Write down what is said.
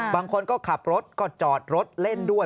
บางคนก็ขับรถก็จอดรถเล่นด้วย